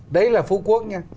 đấy là phú quốc nha